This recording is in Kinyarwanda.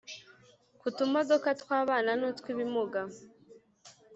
ku tumodoka tw'abana n'utw'ibimuga